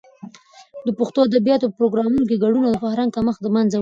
د پښتو ادبیاتو په پروګرامونو کې ګډون، د فرهنګ کمښت د منځه وړي.